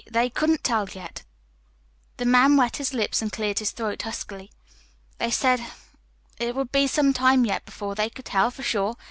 They couldn't tell yet." The man wet his lips and cleared his throat huskily. "They said it would be some time yet before they could tell, for sure.